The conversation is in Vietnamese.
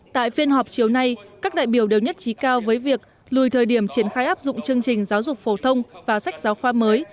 tại phiên họp chiều nay các đại biểu đều nhất trí cao với việc lùi thời điểm triển khai áp dụng chương trình giáo dục phổ thông và sách giáo khoa mới